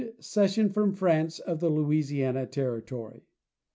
Cession from France of the Louisiana territory.